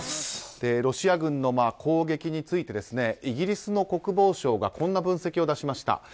ロシア軍の攻撃についてイギリスの国防省がこんな分析を出しました。